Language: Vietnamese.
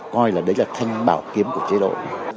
coi là đấy là thanh bảo kiếm của chế độ